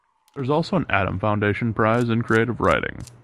There is also an Adam Foundation Prize in Creative Writing.